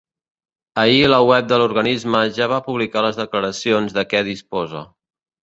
Ahir la web de l’organisme ja va publicar les declaracions de què disposa.